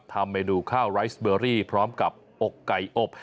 ทำเมนูข้าวไรสเบอรี่พร้อมกับอกไก่อบ